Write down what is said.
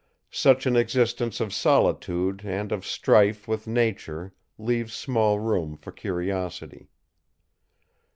Such an existence of solitude and of strife with nature leaves small room for curiosity.